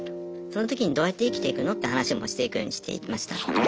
そのときにどうやって生きていくのって話もしていくようにしていきました。